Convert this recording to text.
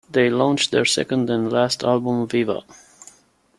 They launched their second and last album Viva!